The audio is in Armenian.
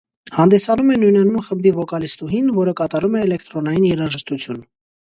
Հանդիսանում է նույնանուն խմբի վոկալիստուհին, որը կատարում է էլեկտրոնային երաժշտություն։